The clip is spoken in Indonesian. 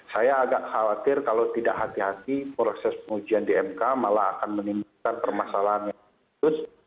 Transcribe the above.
saya agak khawatir kalau tidak hati hati proses pengujian di mk malah akan menimbulkan permasalahan yang